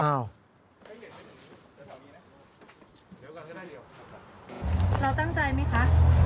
เราตั้งใจไหมคะ